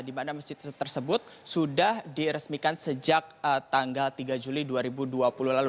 di mana masjid tersebut sudah diresmikan sejak tanggal tiga juli dua ribu dua puluh lalu